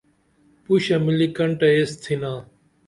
پوشہ ملی کنٹہ یس تھینا